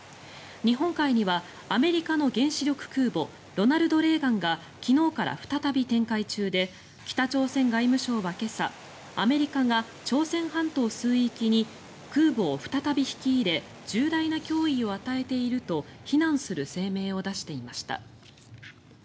日本海にはアメリカの原子力空母「ロナルド・レーガン」が昨日から再び展開中で北朝鮮外務省は今朝アメリカが朝鮮半島水域に空母を再び引き入れ重大な脅威を与えていると非難する声明を出していました。